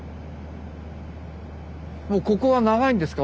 もうここは長いんですか？